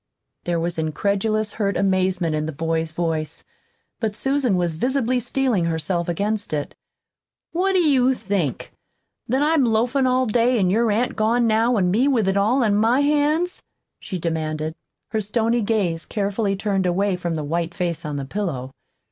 There was incredulous, hurt amazement in the boy's voice; but Susan was visibly steeling herself against it. "What do you think? that I'm loafin' all day, an' your aunt gone now, an' me with it all on my hands?" she demanded, her stony gaze carefully turned away from the white face on the pillow.